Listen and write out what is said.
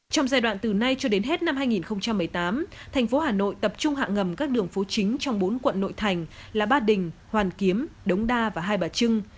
trong giai đoạn từ nay cho đến hết năm hai nghìn một mươi tám thành phố hà nội tập trung hạ ngầm các đường phố chính trong bốn quận nội thành là ba đình hoàn kiếm đống đa và hai bà trưng